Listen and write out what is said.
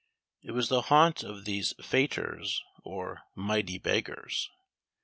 It was the haunt of these Faitors, or "mighty beggars."